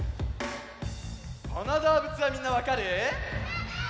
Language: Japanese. このどうぶつはみんなわかる？